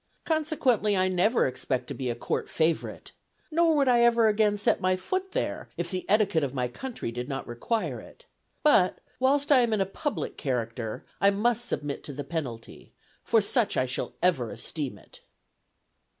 Consequently I never expect to be a Court favorite. Nor would I ever again set my foot there, if the etiquette of my country did not require it. But, whilst I am in a public character, I must submit to the penalty; for such I shall ever esteem it."